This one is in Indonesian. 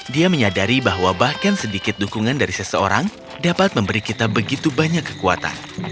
dia menyadari bahwa bahkan sedikit dukungan dari seseorang dapat memberi kita begitu banyak kekuatan